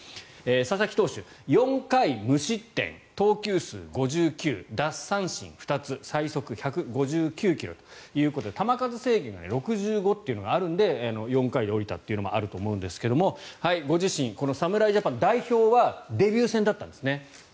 佐々木投手、４回無失点投球数５９奪三振２つ最速１５９ｋｍということで球数制限が６５というのがあるんで４回で降りたというのもあると思うんですがご自身、侍ジャパンの代表はデビュー戦だったんですね。